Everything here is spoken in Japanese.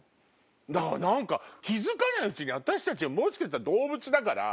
だから何か気付かないうちに私たちはもしかしたら動物だから。